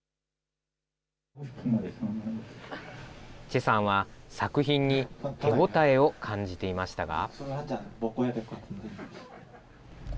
チェさんは、作品に手応えを感じていましたが。